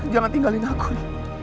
jangan tinggalin aku ri